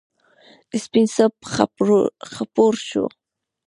سپین صبح خپور شو.